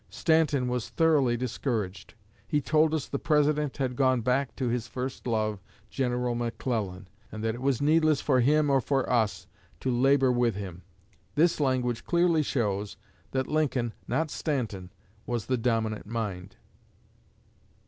Stanton was thoroughly discouraged. He told us the President had gone back to his first love, General McClellan, and that it was needless for him or for us to labor with him." This language clearly shows that Lincoln, not Stanton, was the dominant mind.